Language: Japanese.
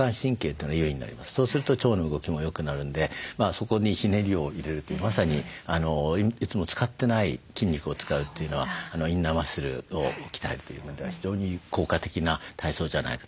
そこにひねりを入れるというまさにいつも使ってない筋肉を使うというのはインナーマッスルを鍛えるという面では非常に効果的な体操じゃないかと思います。